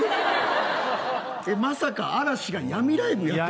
まさか嵐が闇ライブやってる。